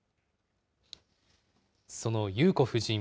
その裕子夫人。